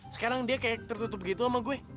sekarang dia kayak tertutup gitu sama gue